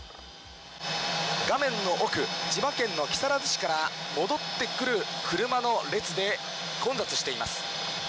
画面の奥、千葉県の木更津市から戻ってくる車の列で混雑しています。